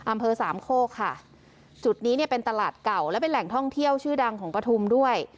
อำเภอสามโคกค่ะจุดนี้เนี่ยเป็นตลาดเก่าและเป็นแหล่งท่องเที่ยวชื่อดังของปฐุมด้วย